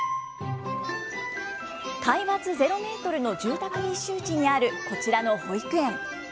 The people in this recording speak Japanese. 海抜０メートルの住宅密集地にあるこちらの保育園。